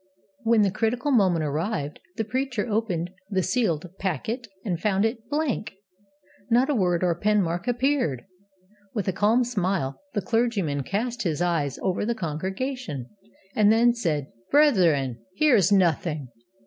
When the critical moment arrived, the preacher opened the sealed packet, and found it blank! Not a word or pen mark appeared! With a calm smile the clergyman cast his eyes over the congregation, and then said, 'Brethren, here is Nothing.